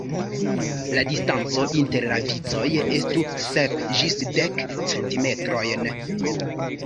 La distanco inter la vicoj estu sep ĝis dek centimetrojn.